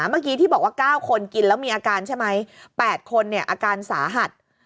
เมื่อกี้ที่บอกว่า๙คนกินแล้วมีอาการใช่ไหม๘คนอาการสาหัส